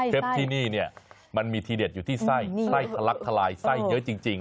ที่นี่เนี่ยมันมีทีเด็ดอยู่ที่ไส้ไส้ทะลักทลายไส้เยอะจริง